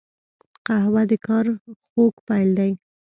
قهوه د کار خوږ پیل دی